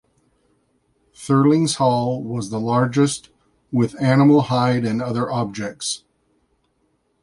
Thirlings Hall was the largest, with animal hide and other objects.